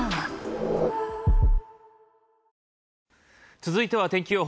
続いては天気予報。